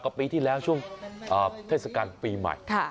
ปีที่แล้วช่วงเทศกาลปีใหม่